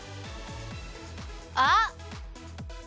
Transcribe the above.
あっ！